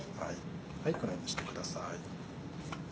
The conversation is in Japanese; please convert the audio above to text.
このようにしてください。